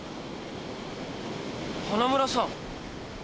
花村さん。